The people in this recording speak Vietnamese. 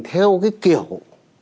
theo cái kiểu